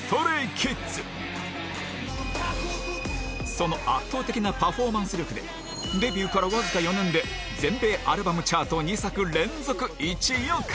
その圧倒的なパフォーマンス力でデビューからわずか４年で全米アルバムチャート２作連続１位を獲得